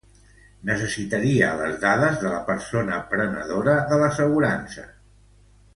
Necessitaria les dades de la persona prenedora de l'assegurança.